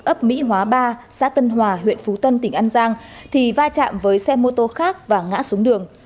ấp mỹ hòa ba xã tân hòa huyện phú tân tỉnh an giang thì vai trạm với xe mô tô khác và ngã xuống đường